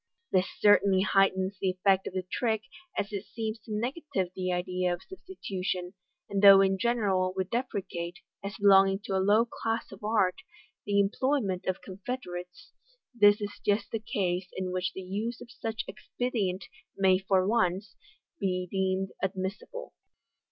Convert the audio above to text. This certainly heightens the effect of the trick, as it seems to negative the idea of substitution, and though in general we depre cate, as belonging to a low class of art, the employment of con 260 MODERN MAGIC. federates, this is just the case in which the use of such an expedient may for once be deemed admissible.